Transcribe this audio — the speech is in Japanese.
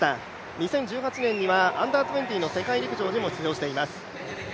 ２０１８年にはＵ−２０の世界陸上にも出場しています。